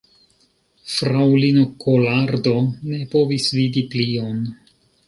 Fraŭlino Kolardo ne povis vidi plion.